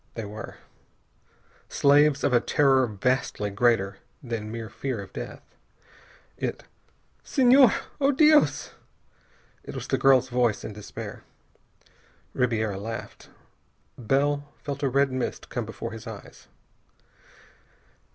They were. Slaves of a terror vastly greater than mere fear of death. It "Senhor!... Oh, Dios!" It was the girl's voice, in despair. Ribiera laughed. Bell felt a red mist come before his eyes.